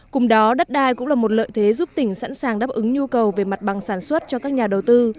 cùng đó đất đai cũng là một lợi thế giúp tỉnh sẵn sàng đáp ứng nhu cầu về mặt bằng sản xuất cho các nhà đầu tư